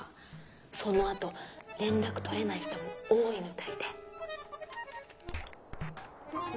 そのあと連絡取れない人も多いみたいで。